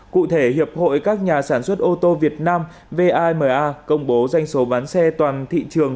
cụ thể hiệp hội các nhà sản xuất ô tô việt nam vama công bố danh số bán xe toàn thị trường